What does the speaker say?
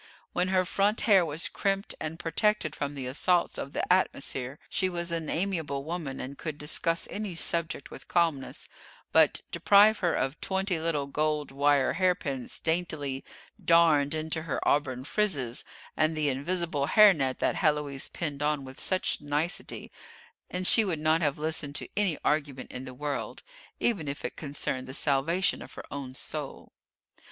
When her front hair was crimped and protected from the assaults of the atmosphere she was an amiable woman and could discuss any subject with calmness; but, deprive her of twenty little gold wire hair pins daintily darned into her auburn frizzes, and the invisible hair net that Héloise pinned on with such nicety, and she would not have listened to any argument in the world, even if it concerned the salvation of her own soul.